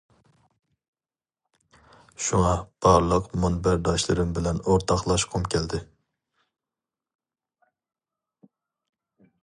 شۇڭا بارلىق مۇنبەرداشلىرىم بىلەن ئورتاقلاشقۇم كەلدى.